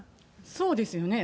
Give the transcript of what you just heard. そうですよね。